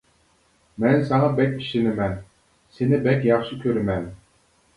مەن ساڭا بەك ئىشىنىمەن، سېنى بەك ياخشى كۆرىمەن.